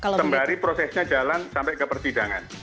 sembari prosesnya jalan sampai ke persidangan